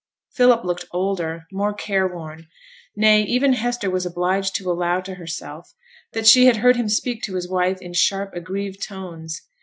Philip looked older, more care worn; nay, even Hester was obliged to allow to herself that she had heard him speak to his wife in sharp, aggrieved tones.